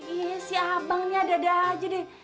ih si abang nih adada aja deh